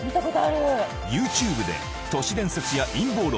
ＹｏｕＴｕｂｅで都市伝説や陰謀論